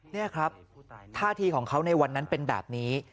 นี่ครับท่าทีของเขาในวันนั้นเป็นแบบนี้